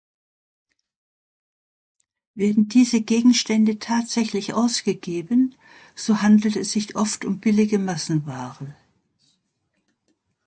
Werden diese Gegenstände tatsächlich ausgegeben, so handelt es sich oft um billige Massenware.